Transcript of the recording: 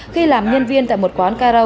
khi làm nhân viên tại một quán cairo